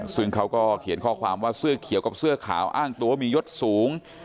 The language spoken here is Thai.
ซึ่งเขาก็เขียนข้อความว่าเสื้อเขียวกับเสื้อขาวอ้างตัวมียศสูง